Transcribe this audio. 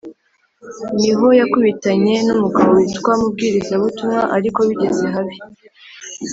niho yakubitanye n’ umugabo witwa Mubwirizabutumwa ariko bigeze habi,